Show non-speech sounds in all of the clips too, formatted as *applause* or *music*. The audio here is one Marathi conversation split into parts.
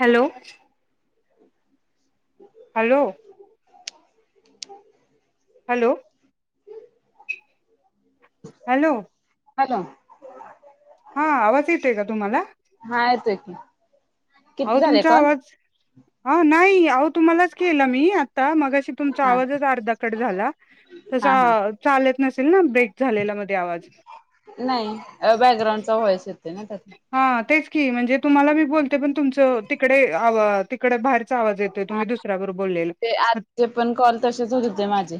हॅलो हॅलो रिकामा ऑडिओ *inaudible* हॅलो हॅलो हॅलो हा आवाज येतोय का तुम्हाला हा येतोय की किती आहो झाले तुमचा कॉल आवाज हा नाही आहो तुम्हालाच केला मी आता मगाशी तुमचा हा आवाजच अर्धा कट झाला तसा हा हा चालत नसेल ना ब्रेक झालेला मध्ये आवाज नाही बॅकग्राउंडचा व्हॉइस येतोय ना त्यात हा तेच की म्हणजे तुम्हाला मी बोलते पण तुम हो तिकडे आव तिकडे भाय ह ते आजे पण कॉल तसेच होत होते माझे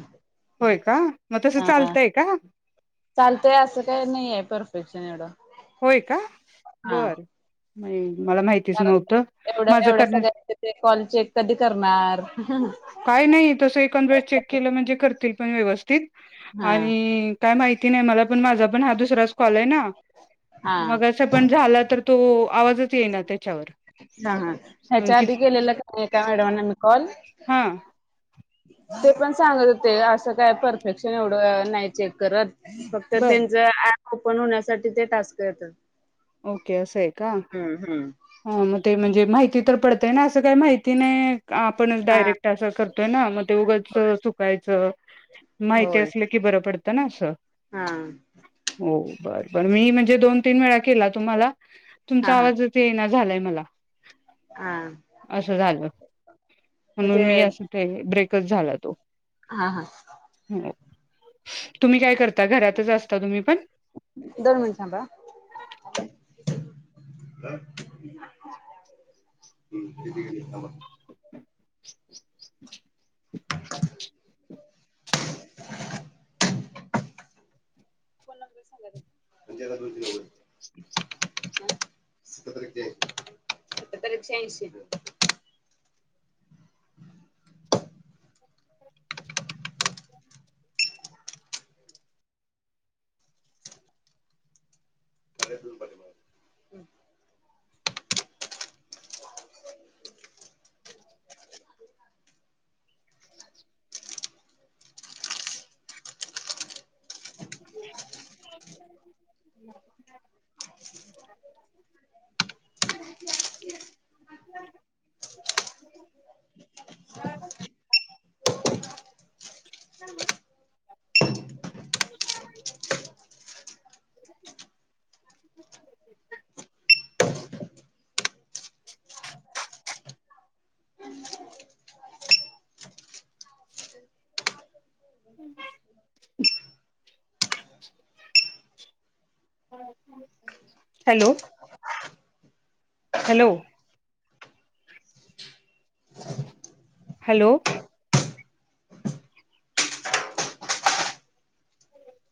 होय का मग तसं हा चालतंय का चालतय अस काय नाये परफेक्ट *unintelligible* होय का बरं नाई. मला माहिच कारण न्हवत माज एवढं माझ एवढं कर सगळ्यांचे ते कॉल चेक कधी करणार हा काय नाही तस एखांद वेळेस चेक केल म्हणजे करतील. पण व्यवस्थित हा आणि काय माहित नाही मला पण मा पण हा दु तर आज कॉलय ना. मग असं पण झालं तर तो आवाजच येईना त्याच्यावर हा हा ह्याच्या कि आधी केलेला का नाही त्या मॅडमांना मी कॉल हा. ते पण सांगत होते अस कुठ काय परफेक्शन एवढ अ नाही चेक करत. फक्त बर त्यांच ॲप ओपन होण्यासाठी ते टास्क येतात. ओके असंय का हम्म हम्म. हा मग ते म्हणजे माहिती तर पडतय ना असं काही माहिती नाही. आपणच हा डायरेक्ट असं करतोय ना मग ते उगंच चुकायचं माहिती होय असलं की बरं पडत तर ना असं. हा. हो बर बर मी म्हणजे दोन तीन वेळा केला तुम्हाला हा तुमचा हा आवाजच येईना झालंय मला. हा असं झालं. म्हणून ते मी असं ते ब्रेक झाला तो. हा हा. हो तुम्ही काय कर आता घरातच असता तुम्ही पण? दोन मिनिट थांबा. *inaudible* *inaudible* *inaudible* *inaudible* हम्म *inaudible* *inaudible* अ ह अ हॅलो. हॅलो. हॅलो.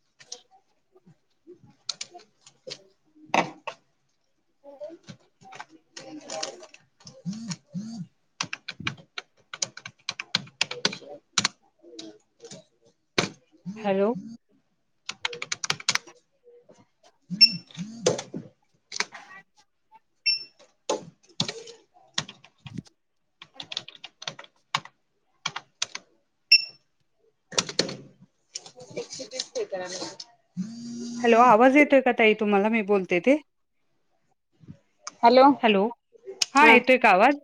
*inaudible* *unintelligible* *inaudible* *inaudible* हॅलो *unintelligible* एकशे तीस पे करायला ला हॅलो आवाज येत य तो का ताइ तुम्हाला मी बोलतेय ते हॅलो हा येतोय का आवाज?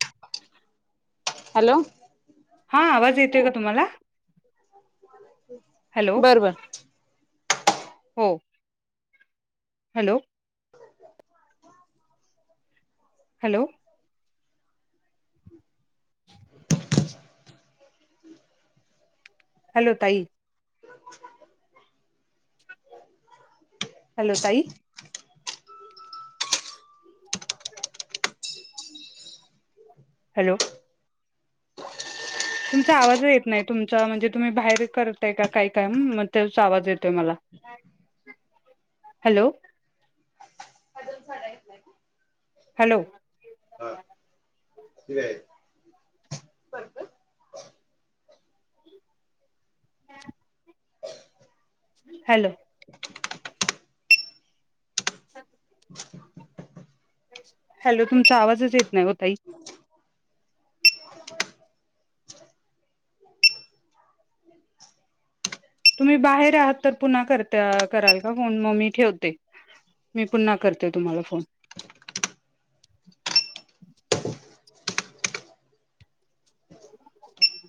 हॅलो हा आवाज येतोय का तुम्हाला? हॅलो बर बर हो हॅलो हॅलो हॅलो ताई हॅलो, ताई हॅलो तुमचा आवाज येत नाही तुमचा म्हणजे तुम्ही बाहेर करताय का काही काय म तोच आवाज येतोय मला हॅलो बर. हॅलो *unintelligible* हॅलो *inaudible* हॅलो तुमचा आवाजच येत नाही ओ ताई तुम्ही बाहेर आहात तर पुन्हा करते कराल का फोन म मी ठेवते मी पुन्हा करते तुम्हाला फोन फोन